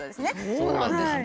そうなんですね。